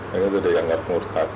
ini udah dianggap murtad